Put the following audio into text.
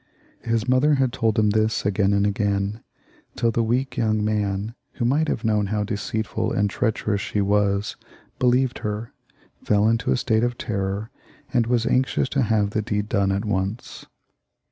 His mother told him this again XXXVIII.] CHARLES IX, 281 ——'— II and again, till the weak young man, who might have known how deceitful and treacherous she was, believed her, fell into a state of terror, and was anxious to have the deed done at once.